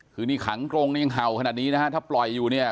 คือนี่ขังกรงนี่ยังเห่าขนาดนี้นะฮะถ้าปล่อยอยู่เนี่ย